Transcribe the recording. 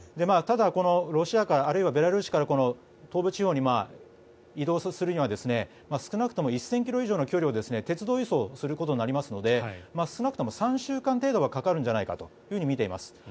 ただ、このロシアからあるいはベラルーシから東部地方に移動するには少なくとも１０００ｋｍ以上の距離を鉄道移送することになりますので少なくとも３週間程度はかかるのではとみられています。